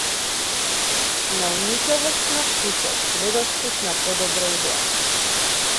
Наумничавост на вкусот, недостиг на подобра идеја?